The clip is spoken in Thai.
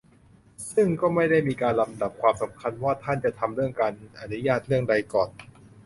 ซึ่งก็ไม่ได้มีการลำดับความสำคัญ ว่าท่านจะทำเรื่องการอนุญาตเรื่องใดก่อน